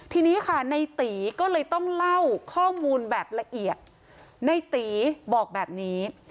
ทีนี้ค่ะในตีก็เลยต้องเล่าข้อมูลแบบละเอียดในตีบอกแบบนี้